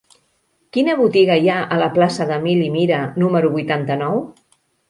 Quina botiga hi ha a la plaça d'Emili Mira número vuitanta-nou?